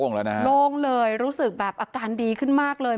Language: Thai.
โล่งเลยรู้สึกแบบอาการดีขึ้นมากเลย